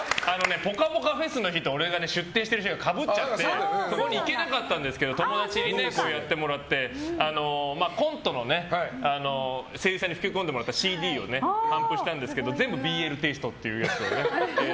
ぽかぽかＦＥＳの日と俺が出店してる日がかぶっちゃってそこに行けなかったんですけど友達にやってもらってコントの声優さんに吹き込んでもらったＣＤを頒布したんですけど全部ＢＬテイストっていう。